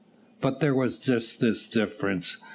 But there was just this difference.